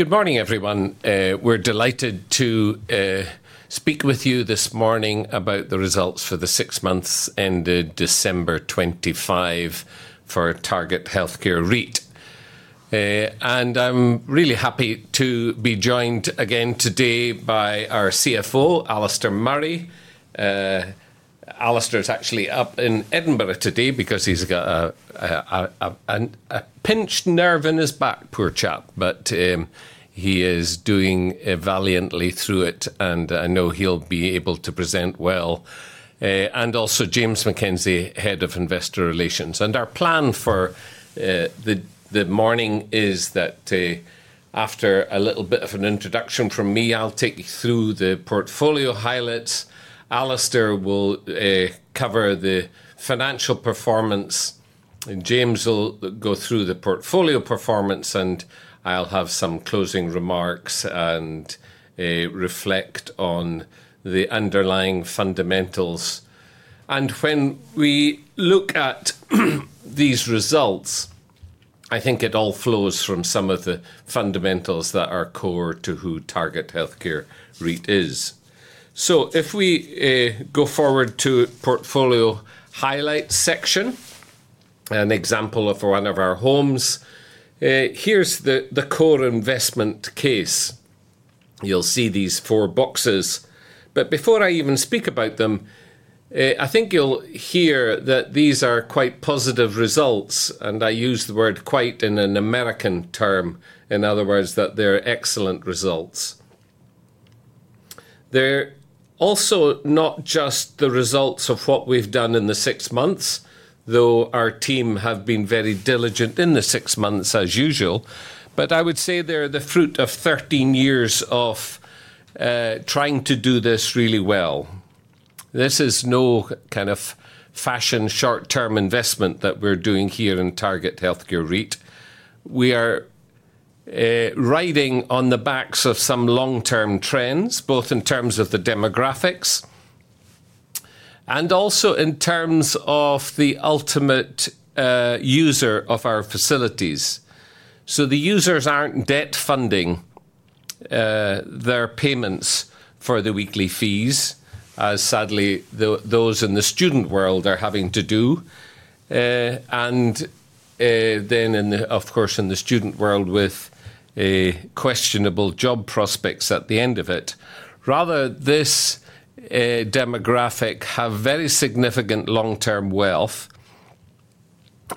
Good morning, everyone. We're delighted to speak with you this morning about the Results for the Six Months Ended December 2025 for Target Healthcare REIT. I'm really happy to be joined again today by our CFO, Alastair Murray. Alastair is actually up in Edinburgh today because he's got a pinched nerve in his back, poor chap. He is doing valiantly through it, and I know he'll be able to present well. James MacKenzie, Head of Investor Relations. Our plan for the morning is that after a little bit of an introduction from me, I'll take you through the portfolio highlights. Alastair will cover the financial performance, and James will go through the portfolio performance, and I'll have some closing remarks and reflect on the underlying fundamentals. When we look at these results, I think it all flows from some of the fundamentals that are core to who Target Healthcare REIT is. If we go forward to portfolio highlights section, an example of one of our homes. Here's the core investment case. You'll see these four boxes. Before I even speak about them, I think you'll hear that these are quite positive results, and I use the word quite in an American term. In other words, that they're excellent results. They're also not just the results of what we've done in the six months, though our team have been very diligent in the six months as usual. I would say they're the fruit of 13 years of trying to do this really well. This is no kind of fashion short-term investment that we're doing here in Target Healthcare REIT. We are riding on the backs of some long-term trends, both in terms of the demographics and also in terms of the ultimate user of our facilities. The users aren't debt funding their payments for the weekly fees, as sadly those in the student world are having to do. In the student world with questionable job prospects at the end of it. Rather this demographic have very significant long-term wealth,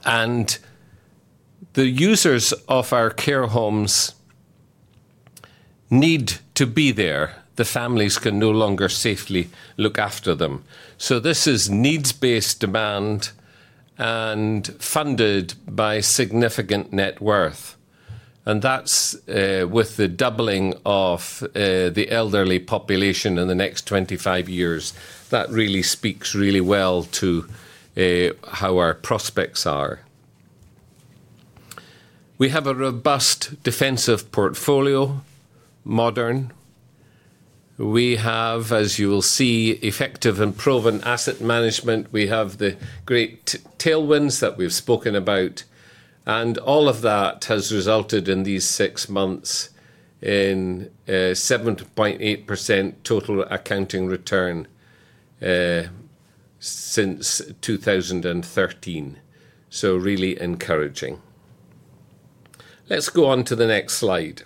and the users of our care homes need to be there. The families can no longer safely look after them. This is needs-based demand and funded by significant net worth. That's with the doubling of the elderly population in the next 25 years. That really speaks well to how our prospects are. We have a robust defensive portfolio, modern. We have, as you will see, effective and proven asset management. We have the great tailwinds that we've spoken about, and all of that has resulted in these six months in a 7.8% total accounting return since 2013. Really encouraging. Let's go on to the next slide,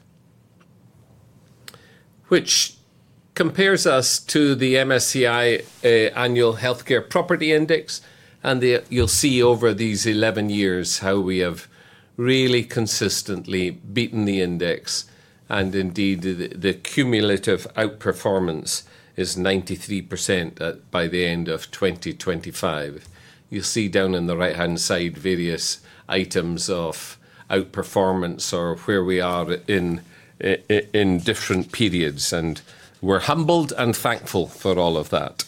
which compares us to the MSCI U.K. Annual Healthcare Property Index. You'll see over these 11 years how we have really consistently beaten the index. Indeed, the cumulative outperformance is 93% by the end of 2025. You'll see down in the right-hand side various items of outperformance or where we are in in different periods, and we're humbled and thankful for all of that.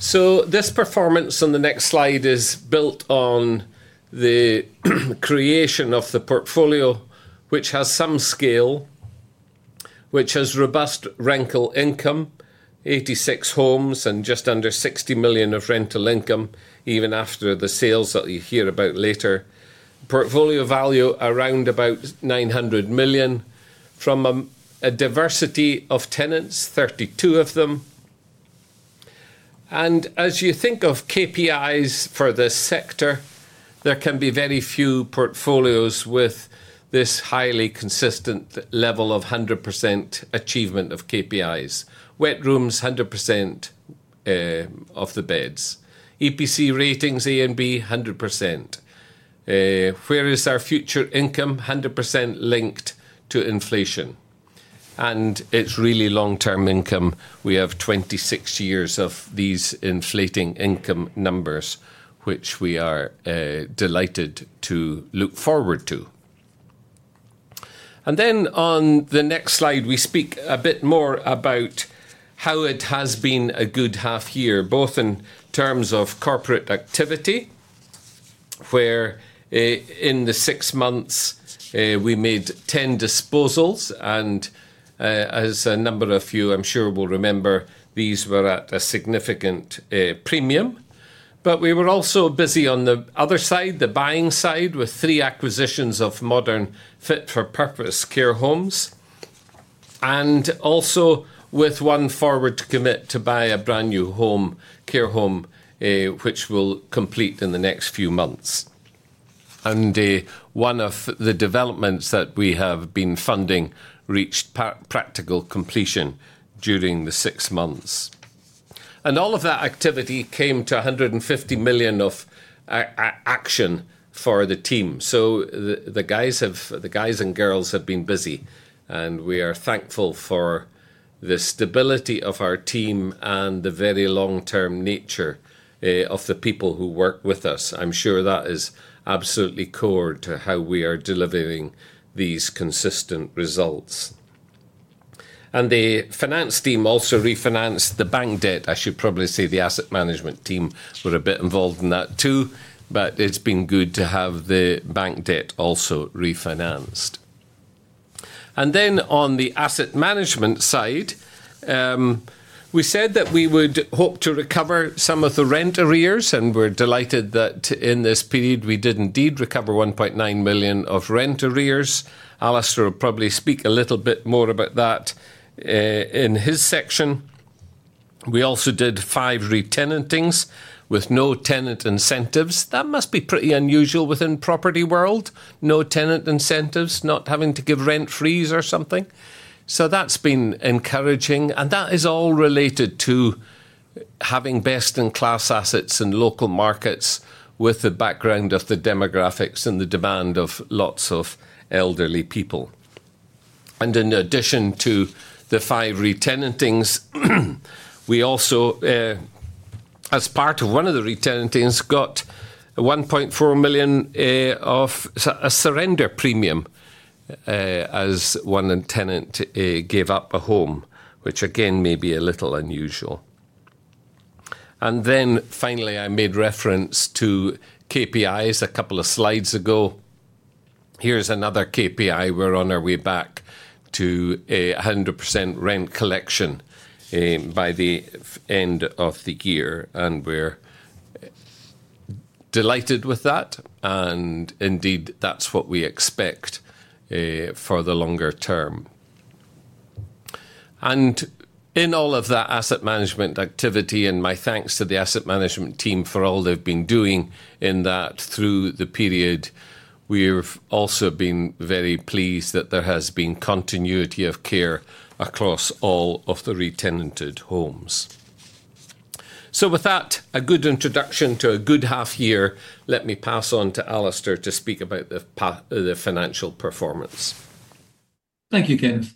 This performance on the next slide is built on the creation of the portfolio, which has some scale, which has robust rental income, 86 homes and just under 60 million of rental income, even after the sales that you'll hear about later. Portfolio value around about 900 million from a diversity of tenants, 32 of them. As you think of KPIs for this sector, there can be very few portfolios with this highly consistent level of 100% achievement of KPIs. Wet rooms, 100% of the beds. EPC ratings A and B, 100%. Where is our future income? 100% linked to inflation. It's really long-term income. We have 26 years of these inflating income numbers, which we are delighted to look forward to. On the next slide, we speak a bit more about how it has been a good half year, both in terms of corporate activity, where in the six months we made 10 disposals. As a number of you, I'm sure will remember, these were at a significant premium. We were also busy on the other side, the buying side, with three acquisitions of modern fit for purpose care homes. Also with one forward commit to buy a brand new home, care home, which will complete in the next few months. One of the developments that we have been funding reached practical completion during the six months. All of that activity came to 150 million of action for the team. The guys and girls have been busy, and we are thankful for the stability of our team and the very long-term nature of the people who work with us. I'm sure that is absolutely core to how we are delivering these consistent results. The finance team also refinanced the bank debt. I should probably say the asset management team were a bit involved in that too, but it's been good to have the bank debt also refinanced. On the asset management side, we said that we would hope to recover some of the rent arrears, and we're delighted that in this period we did indeed recover 1.9 million of rent arrears. Alastair will probably speak a little bit more about that in his section. We also did five re-tenantings with no tenant incentives. That must be pretty unusual within property world, no tenant incentives, not having to give rent freeze or something. That's been encouraging. That is all related to having best-in-class assets in local markets with the background of the demographics and the demand of lots of elderly people. In addition to the five re-tenantings, we also as part of one of the re-tenantings got 1.4 million of surrender premium as one tenant gave up a home, which again may be a little unusual. Then finally, I made reference to KPIs a couple of slides ago. Here's another KPI. We're on our way back to 100% rent collection by the end of the year, and we're delighted with that. Indeed, that's what we expect for the longer term. In all of that asset management activity, and my thanks to the asset management team for all they've been doing in that through the period, we've also been very pleased that there has been continuity of care across all of the re-tenanted homes. With that, a good introduction to a good half year, let me pass on to Alastair to speak about the financial performance. Thank you, Kenneth.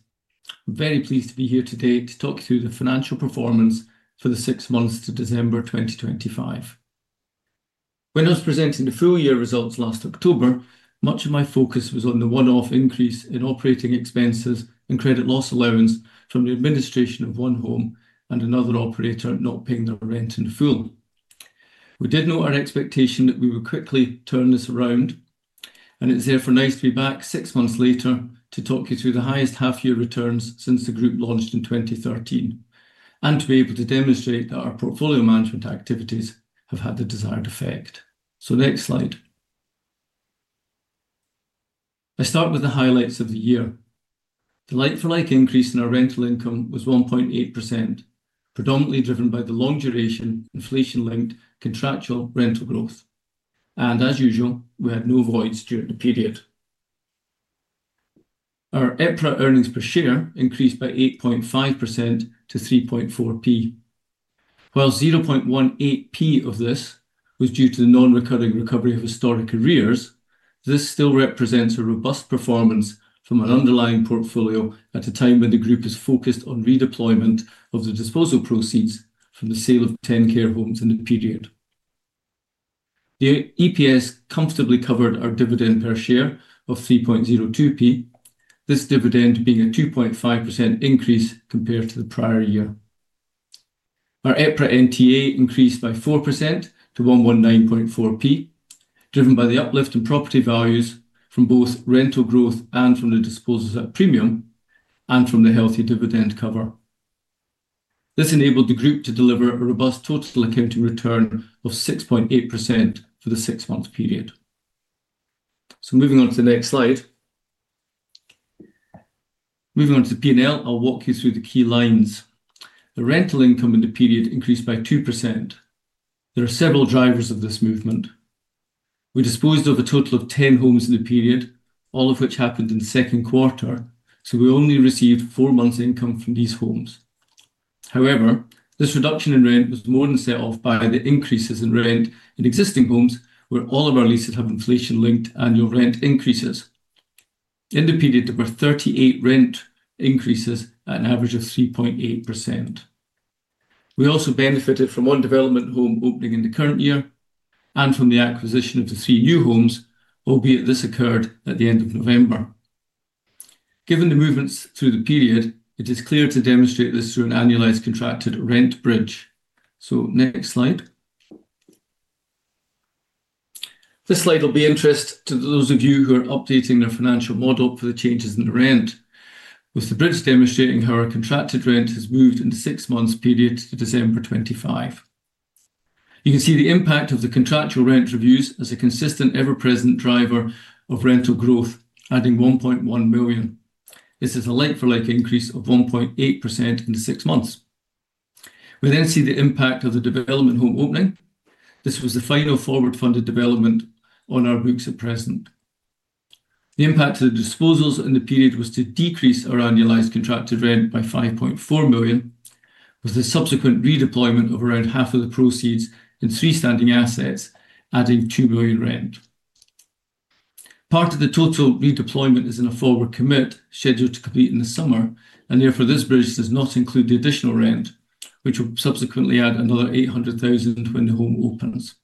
Very pleased to be here today to talk you through the financial performance for the six months to December 2025. When I was presenting the full year results last October, much of my focus was on the one-off increase in operating expenses and credit loss allowance from the administration of one home and another operator not paying their rent in full. We did note our expectation that we would quickly turn this around, and it's therefore nice to be back six months later to talk you through the highest half year returns since the group launched in 2013 and to be able to demonstrate that our portfolio management activities have had the desired effect. Next slide. I start with the highlights of the year. The like-for-like increase in our rental income was 1.8%, predominantly driven by the long duration, inflation-linked contractual rental growth. As usual, we had no voids during the period. Our EPRA earnings per share increased by 8.5% to 0.034. While 0.0018 of this was due to the non-recurring recovery of historic arrears, this still represents a robust performance from an underlying portfolio at a time when the group is focused on redeployment of the disposal proceeds from the sale of 10 care homes in the period. The EPS comfortably covered our dividend per share of 0.0302, this dividend being a 2.5% increase compared to the prior year. Our EPRA NTA increased by 4% to 1.194, driven by the uplift in property values from both rental growth and from the disposals at premium and from the healthy dividend cover. This enabled the group to deliver a robust total accounting return of 6.8% for the six-month period. Moving on to the next slide. Moving on to the P&L, I'll walk you through the key lines. The rental income in the period increased by 2%. There are several drivers of this movement. We disposed of a total of 10 homes in the period, all of which happened in the second quarter, so we only received four months' income from these homes. However, this reduction in rent was more than set off by the increases in rent in existing homes, where all of our leases have inflation-linked annual rent increases. In the period, there were 38 rent increases at an average of 3.8%. We also benefited from one development home opening in the current year and from the acquisition of the three new homes, albeit this occurred at the end of November. Given the movements through the period, it is clear to demonstrate this through an annualized contracted rent bridge. Next slide. This slide will be of interest to those of you who are updating their financial model for the changes in the rent, with the bridge demonstrating how our contracted rent has moved in the six months period to December 2025. You can see the impact of the contractual rent reviews as a consistent, ever-present driver of rental growth, adding 1.1 million. This is a like-for-like increase of 1.8% in six months. We then see the impact of the development home opening. This was the final forward-funded development on our books at present. The impact of the disposals in the period was to decrease our annualized contracted rent by 5.4 million, with the subsequent redeployment of around half of the proceeds in three standing assets, adding 2 million rent. Part of the total redeployment is in a forward commit scheduled to complete in the summer, and therefore this bridge does not include the additional rent, which will subsequently add another 800,000 when the home opens.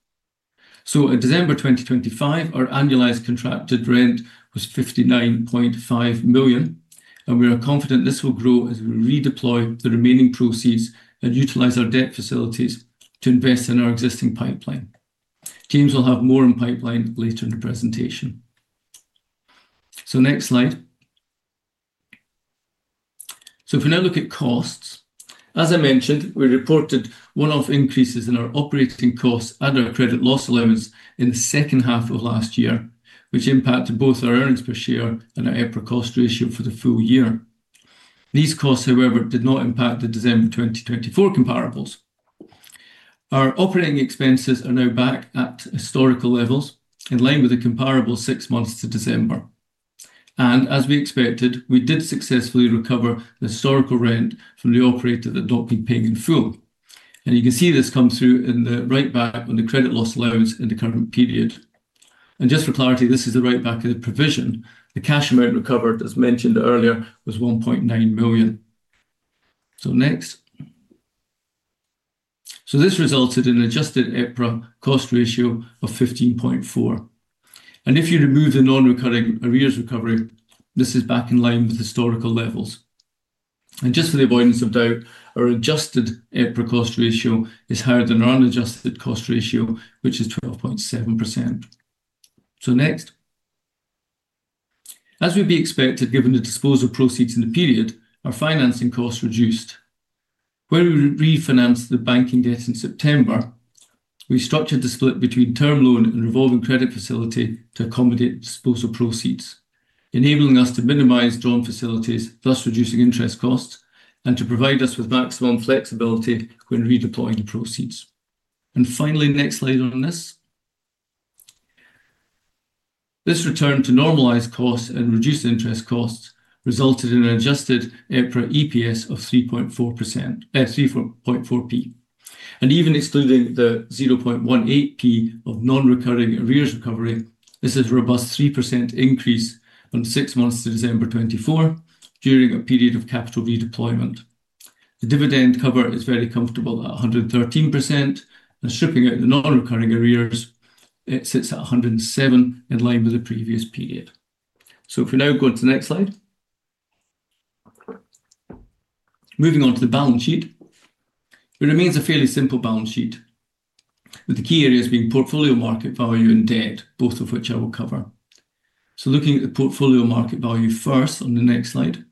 At December 2025, our annualized contracted rent was 59.5 million, and we are confident this will grow as we redeploy the remaining proceeds and utilize our debt facilities to invest in our existing pipeline. James will have more on pipeline later in the presentation. Next slide. If we now look at costs, as I mentioned, we reported one-off increases in our operating costs and our credit loss allowance in the second half of last year, which impacted both our earnings per share and our EPRA Cost Ratio for the full year. These costs, however, did not impact the December 2024 comparables. Our operating expenses are now back at historical levels, in line with the comparable six months to December. As we expected, we did successfully recover the historical rent from the operator that had not been paying in full. You can see this come through in the write back on the credit loss allowance in the current period. Just for clarity, this is the write back of the provision. The cash amount recovered, as mentioned earlier, was 1.9 million. Next. This resulted in adjusted EPRA Cost Ratio of 15.4%. If you remove the non-recurring arrears recovery, this is back in line with historical levels. Just for the avoidance of doubt, our adjusted EPRA Cost Ratio is higher than our unadjusted cost ratio, which is 12.7%. Next. As would be expected, given the disposal proceeds in the period, our financing costs reduced. When we refinanced the banking debt in September, we structured the split between term loan and revolving credit facility to accommodate disposal proceeds, enabling us to minimize drawn facilities, thus reducing interest costs, and to provide us with maximum flexibility when redeploying the proceeds. Finally, next slide on this. This return to normalized costs and reduced interest costs resulted in an adjusted EPRA EPS of 3.4%, 0.034. Even excluding the 0.0018 of non-recurring arrears recovery, this is a robust 3% increase on six months to December 2024 during a period of capital redeployment. The dividend cover is very comfortable at 113%. Stripping out the non-recurring arrears, it sits at 107%, in line with the previous period. If we now go to the next slide. Moving on to the balance sheet. It remains a fairly simple balance sheet, with the key areas being portfolio market value and debt, both of which I will cover. Looking at the portfolio market value first on the next slide.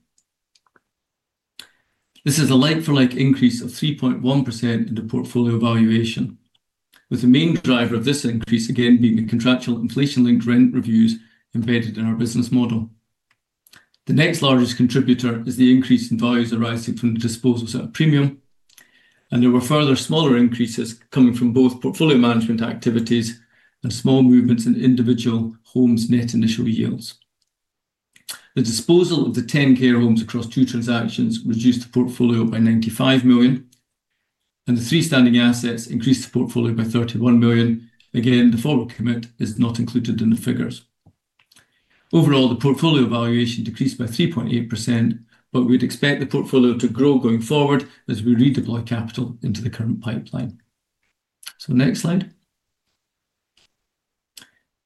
This is a like-for-like increase of 3.1% in the portfolio valuation, with the main driver of this increase again being the contractual inflation-linked rent reviews embedded in our business model. The next largest contributor is the increase in values arising from disposals at a premium. There were further smaller increases coming from both portfolio management activities and small movements in individual homes' net initial yields. The disposal of the 10 care homes across two transactions reduced the portfolio by 95 million, and the three standing assets increased the portfolio by 31 million. Again, the forward commit is not included in the figures. Overall, the portfolio valuation decreased by 3.8%, but we'd expect the portfolio to grow going forward as we redeploy capital into the current pipeline. Next slide.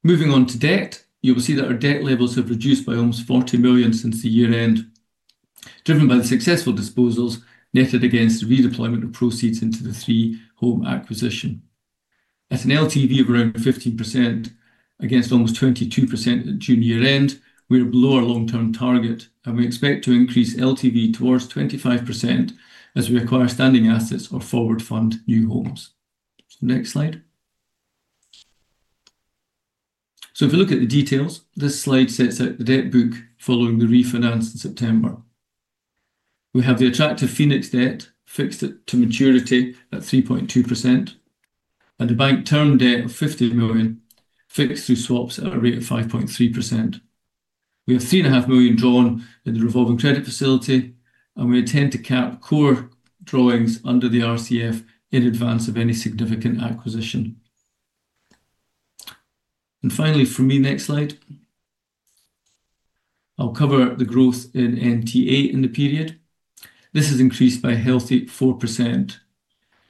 Moving on to debt, you will see that our debt levels have reduced by almost 40 million since the year end, driven by the successful disposals netted against the redeployment of proceeds into the three home acquisition. At an LTV of around 15% against almost 22% at June year end, we are below our long-term target, and we expect to increase LTV towards 25% as we acquire standing assets or forward fund new homes. Next slide. If you look at the details, this slide sets out the debt book following the refinance in September. We have the attractive Phoenix debt fixed, to maturity, at 3.2% and the bank term debt of 50 million fixed through swaps at a rate of 5.3%. We have 3.5 million drawn in the revolving credit facility, and we intend to cap core drawings under the RCF in advance of any significant acquisition. Finally from me, next slide. I'll cover the growth in NTA in the period. This has increased by a healthy 4%.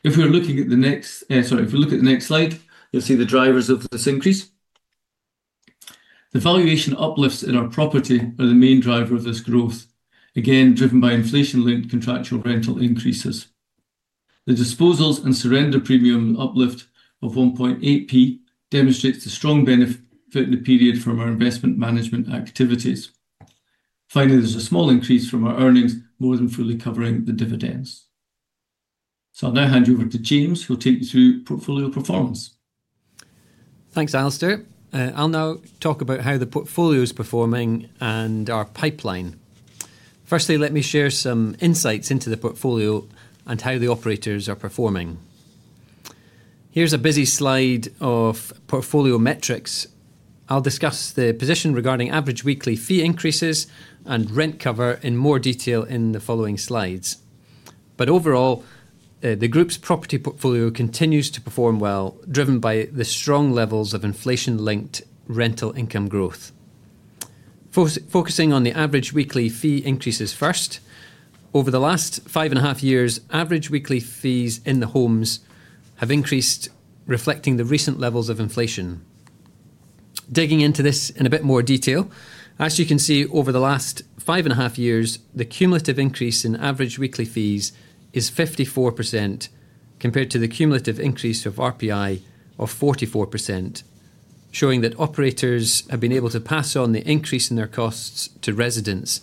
If we look at the next slide, you'll see the drivers of this increase. The valuation uplifts in our property are the main driver of this growth, again, driven by inflation-linked contractual rental increases. The disposals and surrender premium uplift of 0.0018 demonstrates the strong benefit in the period from our investment management activities. Finally, there's a small increase from our earnings more than fully covering the dividends. I'll now hand you over to James, who'll take you through portfolio performance. Thanks, Alastair. I'll now talk about how the portfolio is performing and our pipeline. Firstly, let me share some insights into the portfolio and how the operators are performing. Here's a busy slide of portfolio metrics. I'll discuss the position regarding average weekly fee increases and rent cover in more detail in the following slides. Overall, the group's property portfolio continues to perform well, driven by the strong levels of inflation-linked rental income growth. Focusing on the average weekly fee increases first. Over the last 5.5 years, average weekly fees in the homes have increased, reflecting the recent levels of inflation. Digging into this in a bit more detail, as you can see, over the last 5.5 years, the cumulative increase in average weekly fees is 54%, compared to the cumulative increase of RPI of 44%, showing that operators have been able to pass on the increase in their costs to residents,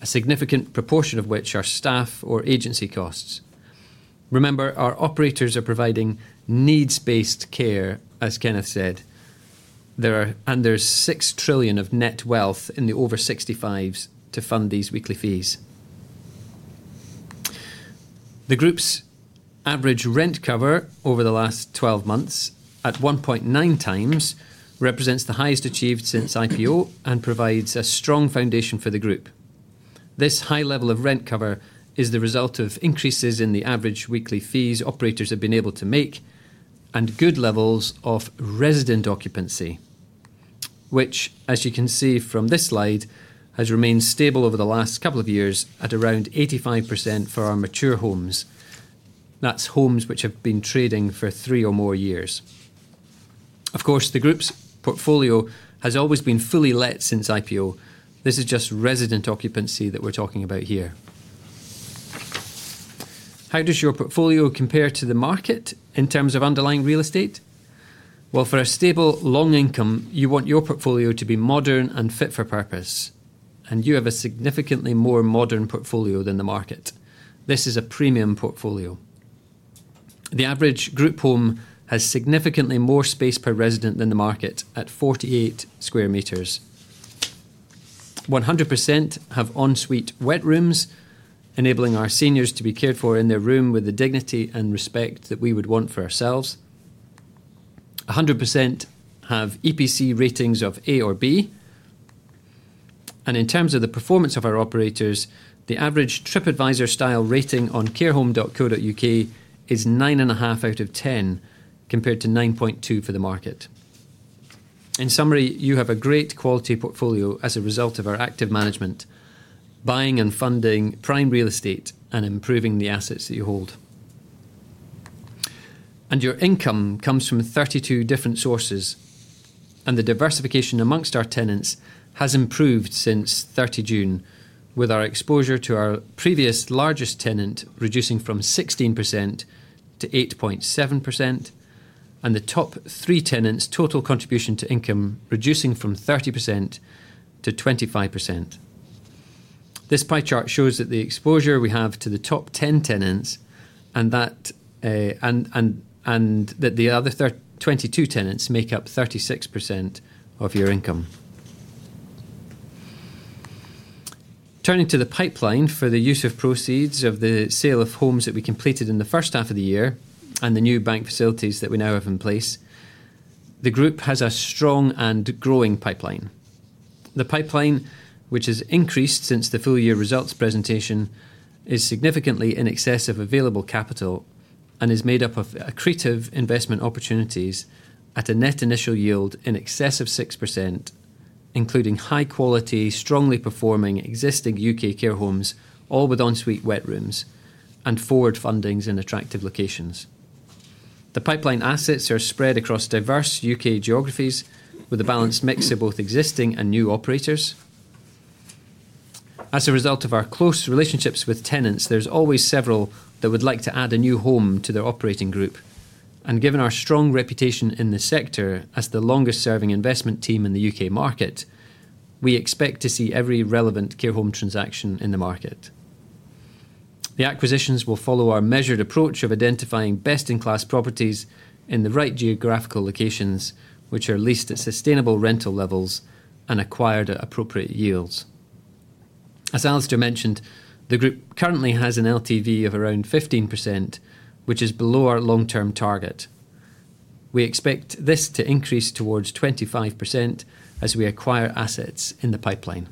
a significant proportion of which are staff or agency costs. Remember, our operators are providing needs-based care, as Kenneth said. There's 6 trillion of net wealth in the over-65s to fund these weekly fees. The group's average rent cover over the last 12 months, at 1.9x, represents the highest achieved since IPO and provides a strong foundation for the group. This high level of rent cover is the result of increases in the average weekly fees operators have been able to make and good levels of resident occupancy, which, as you can see from this slide, has remained stable over the last couple of years at around 85% for our mature homes. That's homes which have been trading for three or more years. Of course, the group's portfolio has always been fully let since IPO. This is just resident occupancy that we're talking about here. How does your portfolio compare to the market in terms of underlying real estate? Well, for a stable long income, you want your portfolio to be modern and fit for purpose, and you have a significantly more modern portfolio than the market. This is a premium portfolio. The average group home has significantly more space per resident than the market at 48 sq m. 100% have ensuite wet rooms, enabling our seniors to be cared for in their room with the dignity and respect that we would want for ourselves. 100% have EPC ratings of A or B. In terms of the performance of our operators, the average Tripadvisor style rating on carehome.co.uk is 9.5 out of 10, compared to 9.2 for the market. In summary, you have a great quality portfolio as a result of our active management, buying and funding prime real estate and improving the assets that you hold. Your income comes from 32 different sources, and the diversification among our tenants has improved since 30 June, with our exposure to our previous largest tenant reducing from 16%-8.7%, and the top three tenants' total contribution to income reducing from 30%-25%. This pie chart shows that the exposure we have to the top 10 tenants, and that the other 22 tenants make up 36% of your income. Turning to the pipeline for the use of proceeds of the sale of homes that we completed in the first half of the year and the new bank facilities that we now have in place, the group has a strong and growing pipeline. The pipeline, which has increased since the full year results presentation, is significantly in excess of available capital and is made up of accretive investment opportunities at a net initial yield in excess of 6%, including high quality, strongly performing existing U.K. care homes, all with en suite wet rooms and forward fundings in attractive locations. The pipeline assets are spread across diverse U.K. geographies with a balanced mix of both existing and new operators. As a result of our close relationships with tenants, there's always several that would like to add a new home to their operating group. Given our strong reputation in this sector as the longest serving investment team in the U.K. market, we expect to see every relevant care home transaction in the market. The acquisitions will follow our measured approach of identifying best-in-class properties in the right geographical locations, which are leased at sustainable rental levels and acquired at appropriate yields. As Alastair mentioned, the group currently has an LTV of around 15%, which is below our long-term target. We expect this to increase towards 25% as we acquire assets in the pipeline.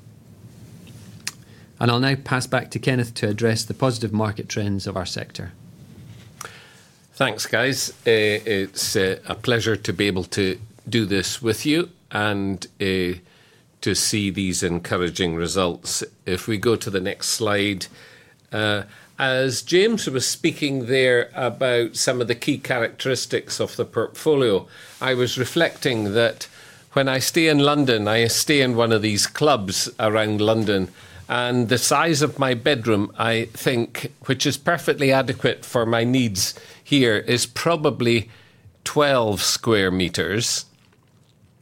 I'll now pass back to Kenneth to address the positive market trends of our sector. Thanks, guys. It's a pleasure to be able to do this with you and to see these encouraging results. If we go to the next slide. As James was speaking there about some of the key characteristics of the portfolio, I was reflecting that when I stay in London, I stay in one of these clubs around London, and the size of my bedroom, I think, which is perfectly adequate for my needs here, is probably 12 sq m.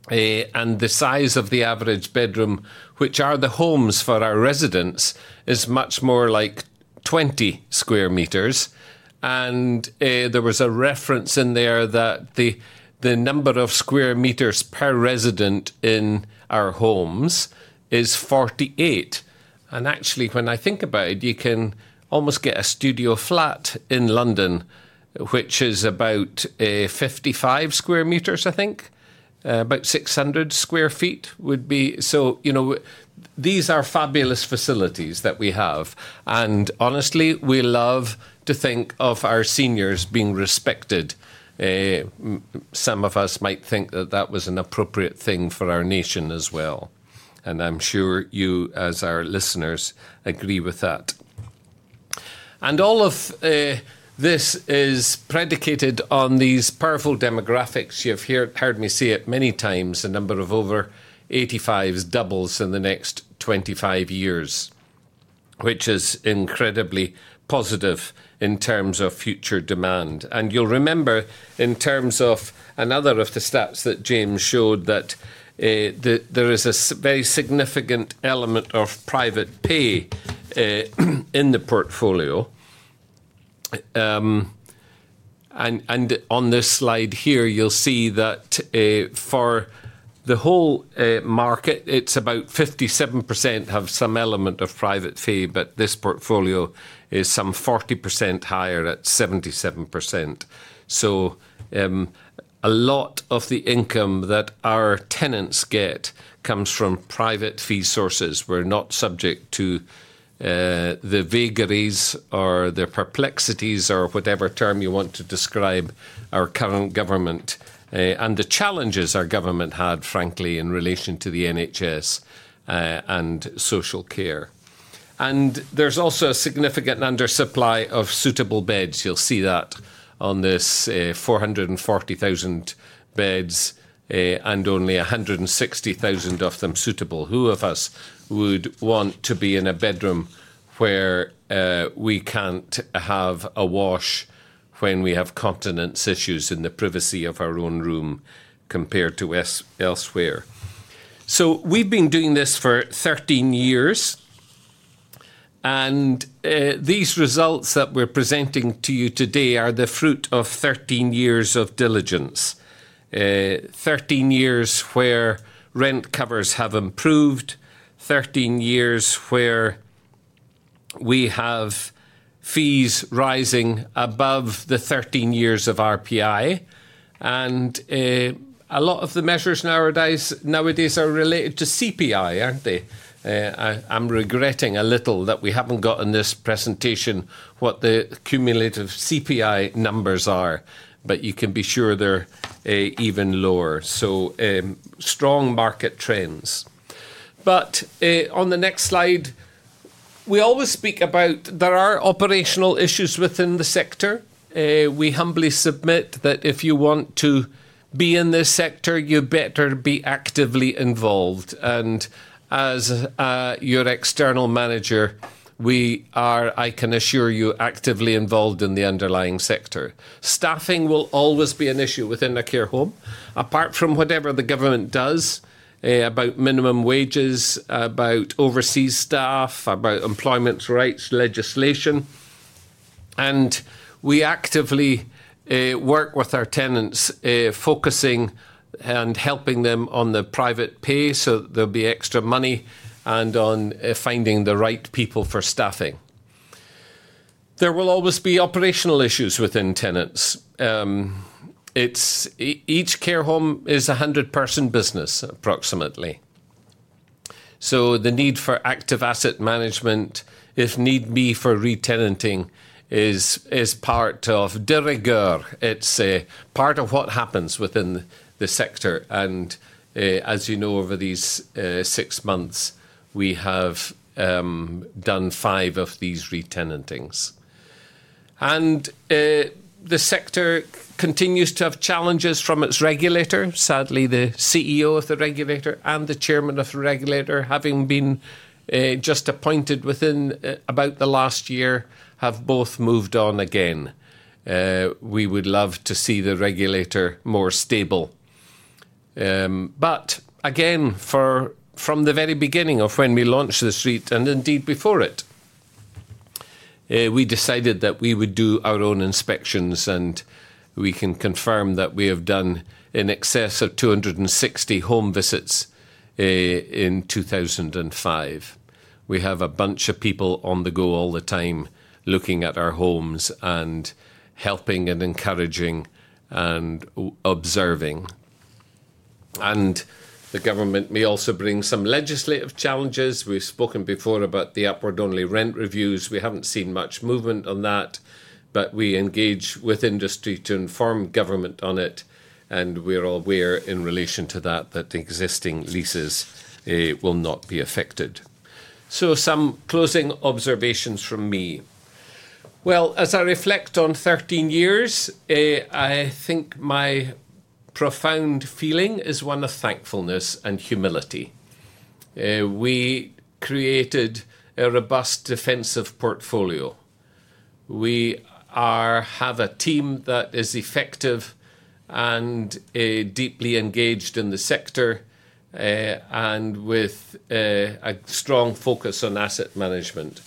The size of the average bedroom, which are the homes for our residents, is much more like 20 sq m. There was a reference in there that the number of square meters per resident in our homes is 48. Actually, when I think about it, you can almost get a studio flat in London, which is about 55 sq m, I think. About 600 sq ft would be. You know, these are fabulous facilities that we have. Honestly, we love to think of our seniors being respected. Some of us might think that that was an appropriate thing for our nation as well, and I'm sure you, as our listeners, agree with that. All of this is predicated on these powerful demographics. You've heard me say it many times, the number of over-85s doubles in the next 25 years, which is incredibly positive in terms of future demand. You'll remember in terms of another of the stats that James showed that there is a very significant element of private pay in the portfolio. On this slide here, you'll see that for the whole market, it's about 57% have some element of private pay, but this portfolio is some 40% higher at 77%. A lot of the income that our tenants get comes from private pay sources. We're not subject to the vagaries or the perplexities or whatever term you want to describe our current government and the challenges our government had, frankly, in relation to the NHS and social care. There's also a significant undersupply of suitable beds. You'll see that on this 440,000 beds and only 160,000 of them suitable. Who of us would want to be in a bedroom where we can't have a wash when we have continence issues in the privacy of our own room compared to elsewhere? We've been doing this for 13 years, and these results that we're presenting to you today are the fruit of 13 years of diligence. 13 years where rent covers have improved, 13 years where we have fees rising above the 13 years of RPI. A lot of the measures nowadays are related to CPI, aren't they? I'm regretting a little that we haven't got in this presentation what the cumulative CPI numbers are. You can be sure they're even lower. Strong market trends. On the next slide, we always speak about there are operational issues within the sector. We humbly submit that if you want to be in this sector, you better be actively involved. As your external manager, we are, I can assure you, actively involved in the underlying sector. Staffing will always be an issue within a care home. Apart from whatever the government does about minimum wages, about overseas staff, about employment rights legislation. We actively work with our tenants, focusing and helping them on the private pay, so there'll be extra money, and on finding the right people for staffing. There will always be operational issues within tenants. Each care home is a 100-person business, approximately. The need for active asset management, if need be, for re-tenanting is part of de rigueur. It's part of what happens within the sector. As you know, over these six months, we have done five of these re-tenantings. The sector continues to have challenges from its regulator. Sadly, the CEO of the regulator and the chairman of the regulator, having been just appointed within about the last year, have both moved on again. We would love to see the regulator more stable. Again, from the very beginning of when we launched the suite, and indeed before it, we decided that we would do our own inspections, and we can confirm that we have done in excess of 260 home visits in 2005. We have a bunch of people on the go all the time looking at our homes and helping and encouraging and observing. The government may also bring some legislative challenges. We've spoken before about the upward-only rent reviews. We haven't seen much movement on that. We engage with industry to inform government on it, and we're aware in relation to that existing leases will not be affected. Some closing observations from me. Well, as I reflect on 13 years, I think my profound feeling is one of thankfulness and humility. We created a robust defensive portfolio. We have a team that is effective and deeply engaged in the sector, and with a strong focus on asset management.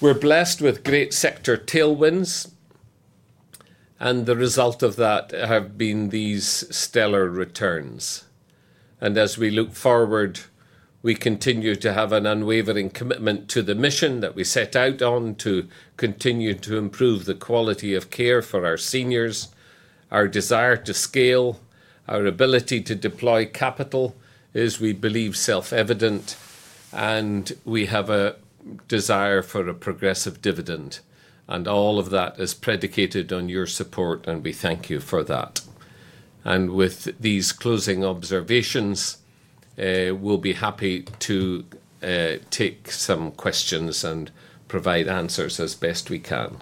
We're blessed with great sector tailwinds, and the result of that have been these stellar returns. As we look forward, we continue to have an unwavering commitment to the mission that we set out on to continue to improve the quality of care for our seniors. Our desire to scale, our ability to deploy capital is, we believe, self-evident, and we have a desire for a progressive dividend. All of that is predicated on your support, and we thank you for that. With these closing observations, we'll be happy to take some questions and provide answers as best we can.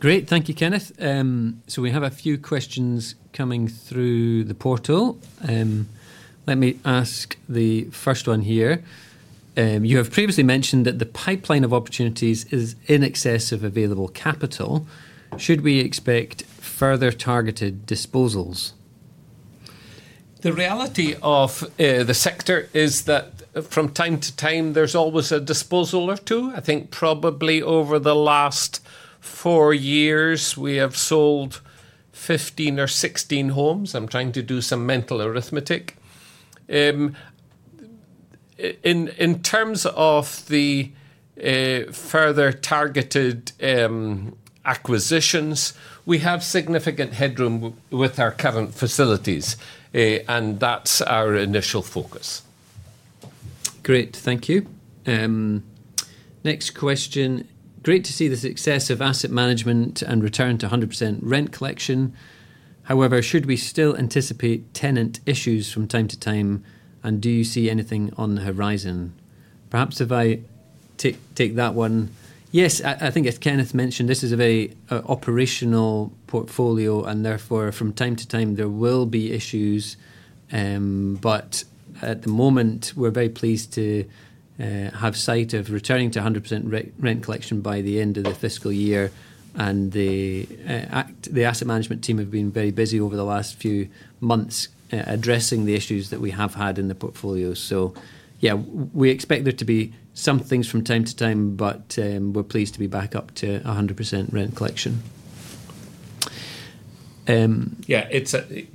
Great. Thank you, Kenneth. We have a few questions coming through the portal. Let me ask the first one here. You have previously mentioned that the pipeline of opportunities is in excess of available capital. Should we expect further targeted disposals? The reality of the sector is that from time to time, there's always a disposal or two. I think probably over the last four years, we have sold 15 or 16 homes. I'm trying to do some mental arithmetic. In terms of the further targeted acquisitions, we have significant headroom with our current facilities, and that's our initial focus. Great. Thank you. Next question. Great to see the success of asset management and return to 100% rent collection. However, should we still anticipate tenant issues from time to time, and do you see anything on the horizon? Perhaps if I take that one. Yes, I think as Kenneth mentioned, this is a very operational portfolio and therefore from time to time there will be issues. At the moment, we're very pleased to have sight of returning to 100% rent collection by the end of the fiscal year, and the asset management team have been very busy over the last few months addressing the issues that we have had in the portfolio. Yeah, we expect there to be some things from time to time, but we're pleased to be back up to 100% rent collection. Yeah.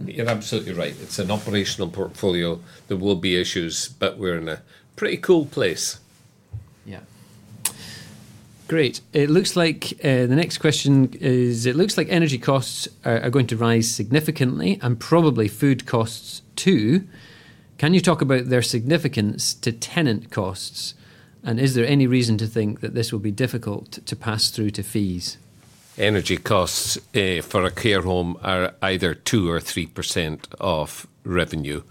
You're absolutely right. It's an operational portfolio. There will be issues, but we're in a pretty cool place. Yeah. Great. It looks like the next question is: It looks like energy costs are going to rise significantly and probably food costs too. Can you talk about their significance to tenant costs, and is there any reason to think that this will be difficult to pass through to fees? Energy costs for a care home are either 2% or 3% of revenue.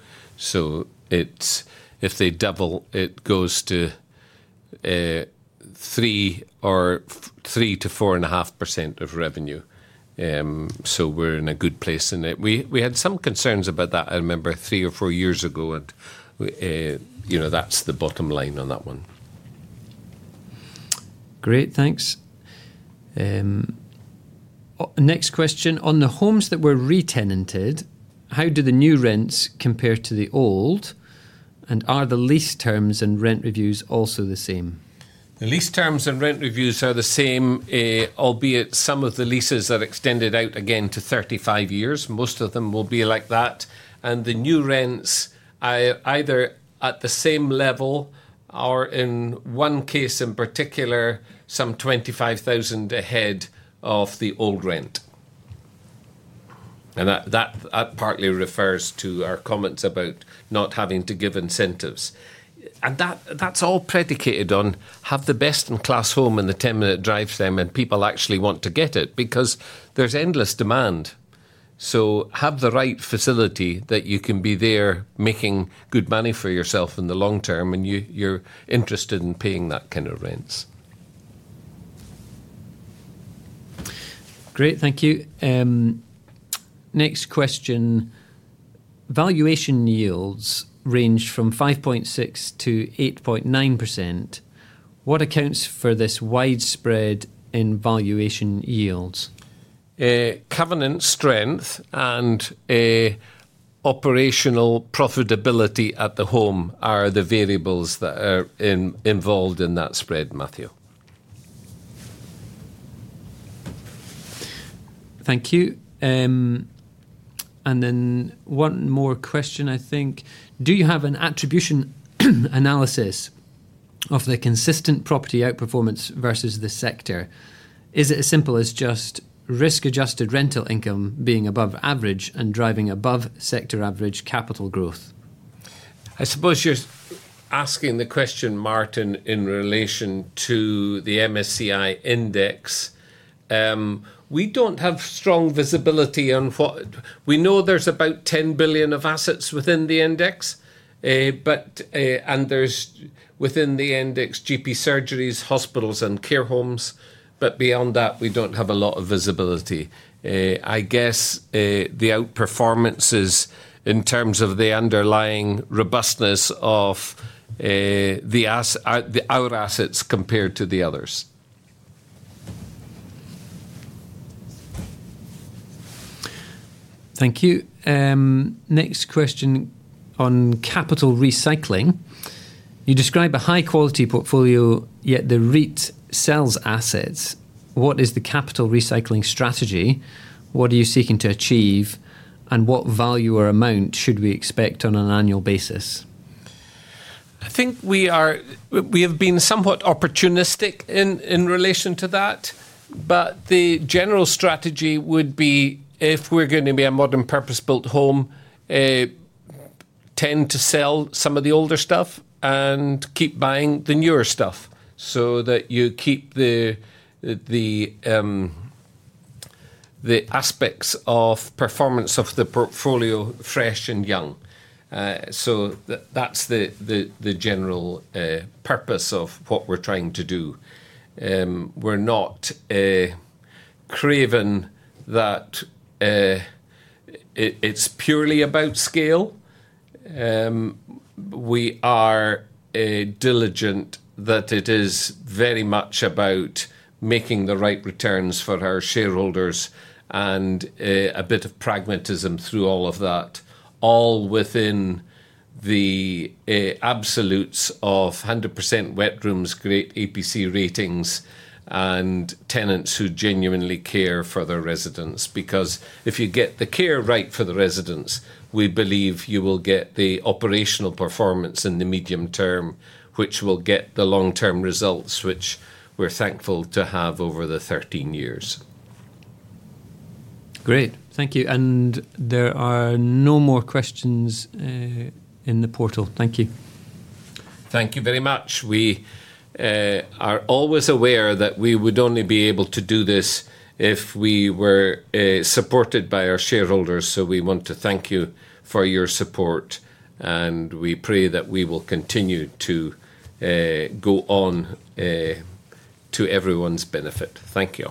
It's if they double, it goes to 3%-4.5% of revenue. We're in a good place. We had some concerns about that, I remember three or four years ago, you know, that's the bottom line on that one. Great, thanks. Next question: On the homes that were re-tenanted, how do the new rents compare to the old, and are the lease terms and rent reviews also the same? The lease terms and rent reviews are the same, albeit some of the leases have extended out again to 35 years. Most of them will be like that. The new rents are either at the same level or in one case in particular, some 25,000 ahead of the old rent. That partly refers to our comments about not having to give incentives. That's all predicated on have the best in class home and the tenant drives them, and people actually want to get it because there's endless demand. Have the right facility that you can be there making good money for yourself in the long term, and you're interested in paying that kind of rents. Great. Thank you. Next question: Valuation yields range from 5.6%-8.9%. What accounts for this wide spread in valuation yields? Covenant strength and operational profitability at the home are the variables that are involved in that spread, Matthew. Thank you. One more question, I think. Do you have an attribution analysis of the consistent property outperformance versus the sector? Is it as simple as just risk-adjusted rental income being above average and driving above sector average capital growth? I suppose you're asking the question, Martin, in relation to the MSCI index. We don't have strong visibility. We know there's about 10 billion of assets within the index. There's within the index GP surgeries, hospitals and care homes. Beyond that, we don't have a lot of visibility. I guess the outperformance is in terms of the underlying robustness of our assets compared to the others. Thank you. Next question on capital recycling. You describe a high-quality portfolio, yet the REIT sells assets. What is the capital recycling strategy? What are you seeking to achieve, and what value or amount should we expect on an annual basis? I think we have been somewhat opportunistic in relation to that. The general strategy would be, if we're gonna buy a modern purpose-built home, tend to sell some of the older stuff and keep buying the newer stuff, so that you keep the aspects of performance of the portfolio fresh and young. That's the general purpose of what we're trying to do. We're not crazed that it's purely about scale. We are diligent that it is very much about making the right returns for our shareholders and a bit of pragmatism through all of that, all within the absolutes of 100% wet rooms, great EPC ratings, and tenants who genuinely care for their residents. Because if you get the care right for the residents, we believe you will get the operational performance in the medium term, which will get the long-term results, which we're thankful to have over the 13 years. Great. Thank you. There are no more questions in the portal. Thank you. Thank you very much. We are always aware that we would only be able to do this if we were supported by our shareholders, so we want to thank you for your support, and we pray that we will continue to go on to everyone's benefit. Thank you.